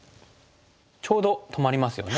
ちょうど止まりますよね。